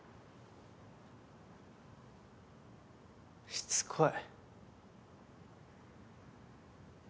しつこい。